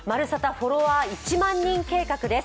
フォロワー１００００人計画」です。